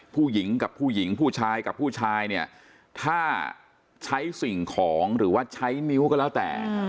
ผู้หญิงกับผู้หญิงผู้ชายกับผู้ชายเนี่ยถ้าใช้สิ่งของหรือว่าใช้นิ้วก็แล้วแต่